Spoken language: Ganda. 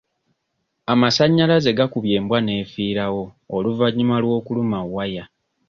Amasannyalaze gakubye embwa n'efiirawo oluvannyuma lw'okuluma waya.